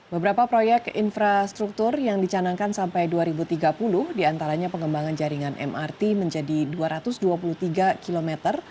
beberapa proyek infrastruktur yang dicanangkan sampai dua ribu tiga puluh diantaranya pengembangan jaringan mrt menjadi dua ratus dua puluh tiga km